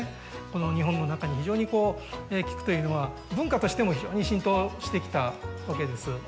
この日本の中に非常に菊というのは文化としても非常に浸透してきたわけです。